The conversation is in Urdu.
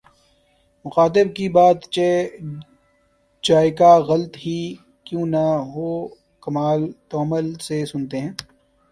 مخاطب کی بات چہ جائیکہ غلط ہی کیوں نہ ہوکمال تحمل سے سنتے ہیں